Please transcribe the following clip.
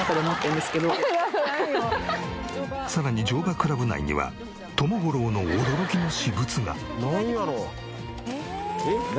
さらに乗馬クラブ内にはともゴロウの驚きの私物が。